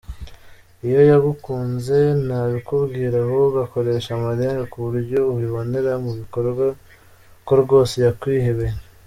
Iyo yagukunze ntabikubwira ahubwo akoresha amarenga ku buryo ubibonera mu bikorwa ko rwose yakwihebeye.